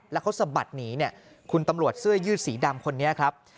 แล้วเขาสะบัดหนีเนี่ยคุณตำรวจเสื้อยืดสีดำคนนี้ครับ